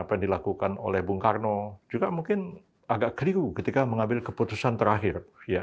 apa yang dilakukan oleh bung karno juga mungkin agak keliru ketika mengambil keputusan terakhir